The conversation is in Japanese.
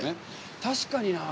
確かにな。